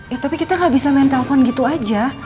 ya tapi kita gak bisa main telpon gitu aja